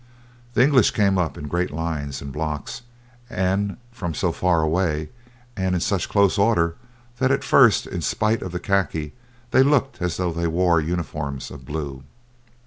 The English came up in great lines and blocks and from so far away and in such close order that at first in spite of the khaki they looked as though they wore uniforms of blue.